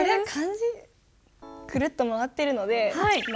くるっと回ってるので「回」。